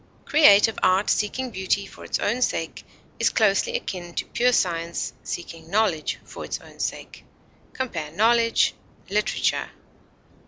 Creative art seeking beauty for its own sake is closely akin to pure science seeking knowledge for its own sake. Compare KNOWLEDGE; LITERATURE.